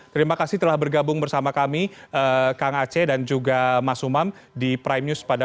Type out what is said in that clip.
terima kasih telah bergabung bersama kami kang aceh dan juga mas umam di prime news pada